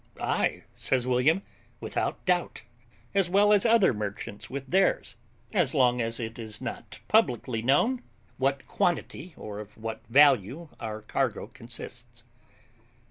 "Ay," says William, "without doubt, as well as other merchants with theirs, as long as it is not publicly known what quantity or of what value our cargo consists."